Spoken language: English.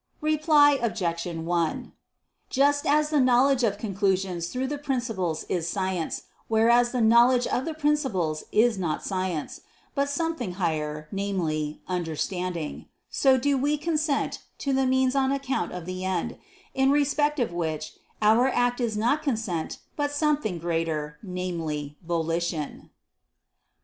Reply Obj. 1: Just as the knowledge of conclusions through the principles is science, whereas the knowledge of the principles is not science, but something higher, namely, understanding; so do we consent to the means on account of the end, in respect of which our act is not consent but something greater, namely, volition.